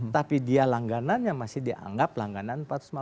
tapi dia langganannya masih dianggap langganan empat ratus lima puluh